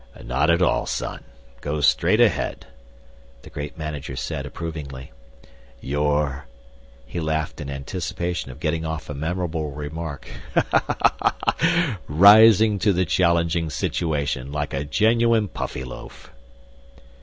"Not at all, son; go straight ahead," the great manager said approvingly. "You're" he laughed in anticipation of getting off a memorable remark "rising to the challenging situation like a genuine Puffyloaf."